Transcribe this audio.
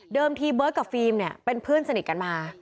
เดิมที่เบิร์ตกับฟิล์มเป็นเพื่อนสนิทกันมา